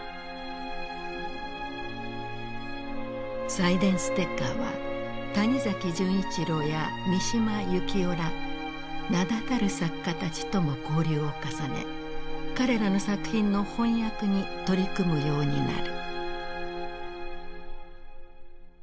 サイデンステッカーは谷崎潤一郎や三島由紀夫ら名だたる作家たちとも交流を重ね彼らの作品の翻訳に取り組むようになる。